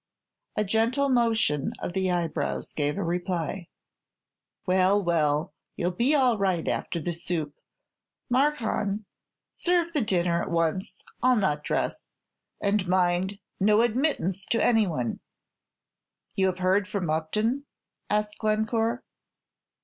A gentle motion of the eyebrows gave the reply. "Well, well, you'll be all right after the soup. Marcom, serve the dinner at once. I'll not dress. And mind, no admittance to any one." "You have heard from Upton?" asked Glencore.